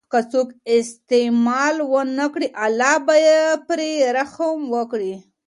که څوک استعمال ونکړي، الله به پرې رحم وکړي.